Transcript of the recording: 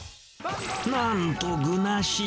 なんと、具なし。